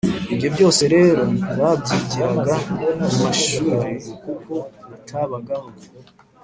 Ibyo byose rero ntibabyigiraga mu mashuri kuko atabagaho.